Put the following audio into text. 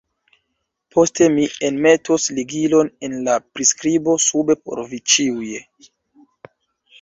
Poste mi enmetos ligilon en la priskribo sube por vi ĉiuj.